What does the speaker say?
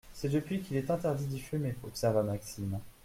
C’est depuis qu’il est interdit d’y fumer, observa Maxime.